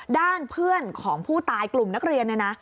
ด้านเพื่อนของผู้ตายกลุ่มนักเรียน